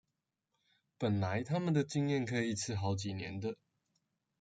本來他們的經驗可以一吃好幾年的